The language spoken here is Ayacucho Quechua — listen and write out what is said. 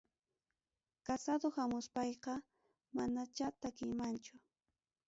Casado hamuspayqa manacha takiymanchu